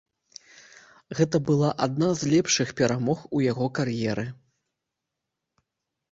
Гэта была адна з лепшых перамог у яго кар'еры.